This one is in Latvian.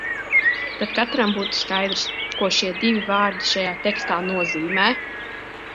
Tad katram būtu skaidrs, ko šie divi vārdi šajā tekstā nozīmē.